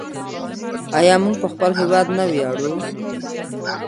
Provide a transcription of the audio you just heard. آیا موږ په خپل هیواد نه ویاړو؟